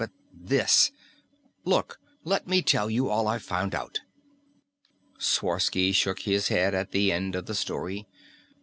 "But this Look, let me tell you all I've found out." Sworsky shook his head at the end of the story.